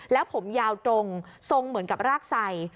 แล้วผมยาวตรงทรงเหมือนกับรากใส่